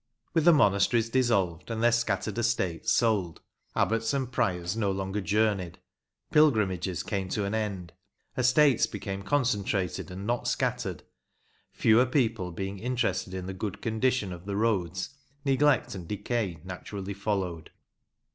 With the monasteries dissolved, and their scattered estates sold, abbots and priors no longer journeyed Pilgrimages came to an end Estates became concentrated and not scattered. Fewer people being interested in the good condition of the roads, neglect and decay naturally followed.